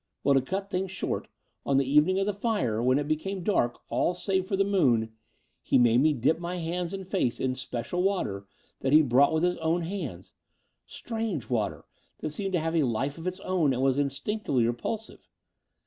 Well, to cut things short, on the evening of the fire, when it became dark all save for the moon, he made me dip my hands and face in special water that he brought with his own hands — strange water that seemed to have a life of its own and was instinctively repulsive.